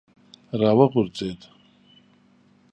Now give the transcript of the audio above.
را وغورځېد.